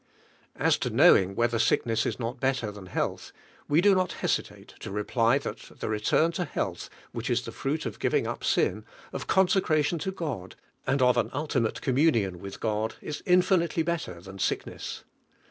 As to knowing whether sicklies is not better than health, we do not hesitate to reply that the return to health which is the fruit of giving up sin, of consecration to God, and of an ultiinale ri million with God, is infinitely better than Bick ness.